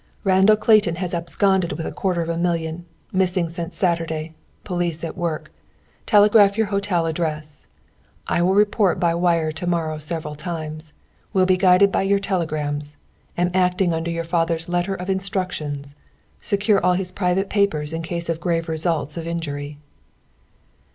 Randall Clayton has absconded with a quarter of a million. Missing since Saturday. Police at work. Telegraph your hotel address. I will report by wire to morrow several times. Will be guided by your telegrams. Am acting under your father's letter of instructions. Secure all his private papers in case of grave results of injury."